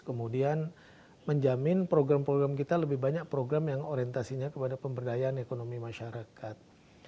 kemudian menjamin program program kita lebih banyak program yang orientasinya kepada pemberdayaan ekonomi masyarakat